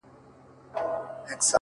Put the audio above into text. • په موږ کي بند دی،